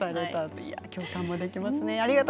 共感できますね。